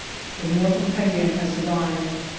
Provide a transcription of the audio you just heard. The mail from Cayenne has arrived.